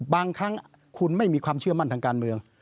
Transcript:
บางครั้งคุณไม่มีความเชื่อมั่นทางการเมือง